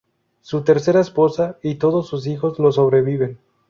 Su tercera esposa y todos sus hijos lo sobreviven.